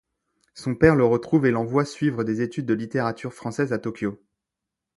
Son père le retrouve et l'envoie suivre des études de littérature française à Tokyo.